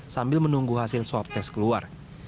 sambil menunggu hasil swab test keluar